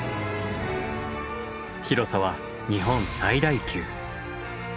広さは日本最大級。